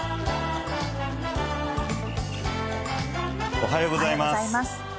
おはようございます。